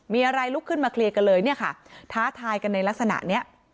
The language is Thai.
มีอะไรลุกขึ้นมาเคลียร์กันเลยเนี่ยค่ะท้าทายกันในลักษณะเนี้ย